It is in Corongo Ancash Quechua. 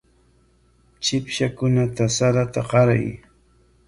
Chipshakunata sarata qaray.